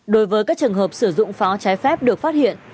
đối với các trường hợp sử dụng pháo trái phép được phát hiện